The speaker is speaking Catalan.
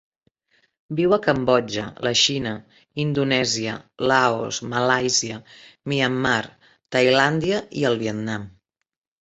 Viu a Cambodja, la Xina, Indonèsia, Laos, Malàisia, Myanmar, Tailàndia i el Vietnam.